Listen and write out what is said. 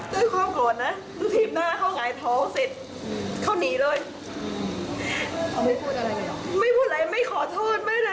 นี่ความโกรธนะสำหรับหนูทีมหน้าเข้าไหงท้องเสร็จเข้านี่เลย